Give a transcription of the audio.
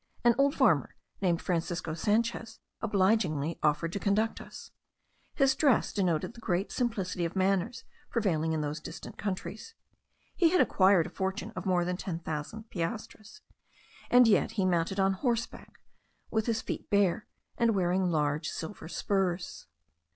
An old farmer named Francisco Sanchez obligingly offered to conduct us. His dress denoted the great simplicity of manners prevailing in those distant countries. He had acquired a fortune of more than 100,000 piastres, and yet he mounted on horseback with his feet bare, and wearing large silver spurs.